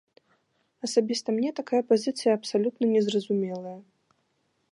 Асабіста мне такая пазіцыя абсалютна не зразумелая.